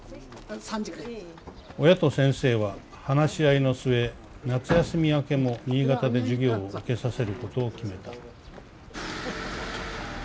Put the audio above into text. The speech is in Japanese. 「親と先生は話し合いの末夏休み明けも新潟で授業を受けさせることを決めた」。